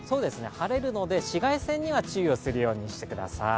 晴れるので、紫外線には注意するようにしてください。